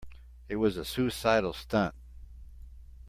It was a suicidal stunt.